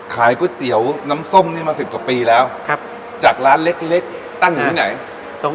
ขายก๋วยเตี๋ยวน้ำส้มนี่มา๑๐กว่าปีแล้วจากร้านเล็กตั้งอยู่ไหน